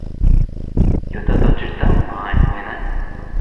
Jo tā taču ir tava māja, vai ne?